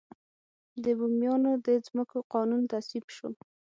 د بوميانو د ځمکو قانون تصویب شو.